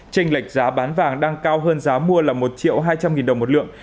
trênh lệch giá bán vàng đang cao hơn giá mua là một triệu hai trăm linh đồng một lượt